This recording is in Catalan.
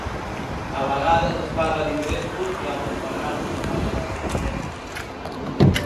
A vegades es parla d’ingressos i altres vegades es parla de rendiments.